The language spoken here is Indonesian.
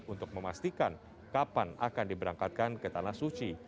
untuk memastikan kapan akan diberangkatkan ke tanah suci